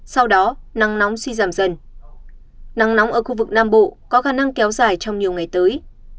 sau đó nắng nóng suy giảm dần nắng nóng ở khu vực nam bộ có khả năng kéo dài trong nhiều ngày tới